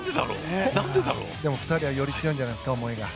でも２人は思いがより強いんじゃないですか？